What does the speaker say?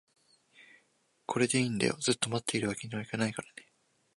これでいいんだよ、ずっと持っているわけにはいけないからね